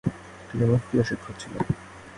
তিনি মুফতি ও শিক্ষক ছিলেন।